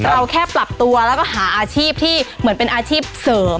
เราแค่ปรับตัวแล้วก็หาอาชีพที่เหมือนเป็นอาชีพเสริม